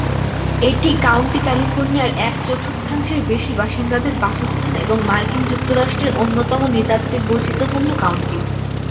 এই কাউন্টি ক্যালিফোর্নিয়ার এক-চতুর্থাংশের বেশি বাসিন্দাদের বাসস্থান এবং মার্কিন যুক্তরাষ্ট্রের অন্যতম নৃতাত্ত্বিক বৈচিত্র্যপূর্ণ কাউন্টি।